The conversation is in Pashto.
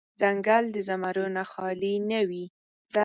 ځنګل د زمرو نه خالې نه وي.